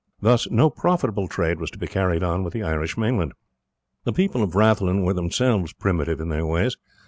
Thus no profitable trade was to be carried on with the Irish mainland. The people of Rathlin were themselves primitive in their ways.